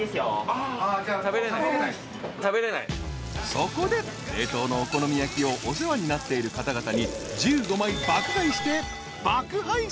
［そこで冷凍のお好み焼きをお世話になっている方々に１５枚爆買いして爆配送］